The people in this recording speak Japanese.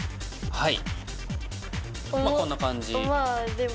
はい。